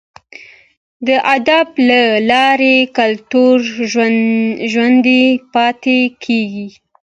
د ادب له لارې کلتور ژوندی پاتې کیږي.